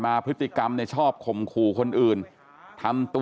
เมื่อยครับเมื่อยครับ